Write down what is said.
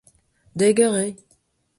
Dek eur eo.